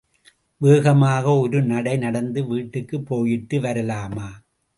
வேகமா ஒரு நடை நடந்து, வீட்டுக்கு போயிட்டு வரலாமா.